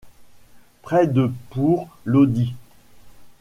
Près de pour l'Audi.